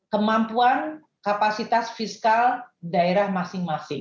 kemampuan kapasitas fiskal daerah masing masing